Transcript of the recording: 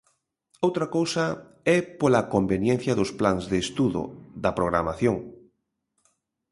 Outra cousa é pola conveniencia dos plans de estudo, da programación.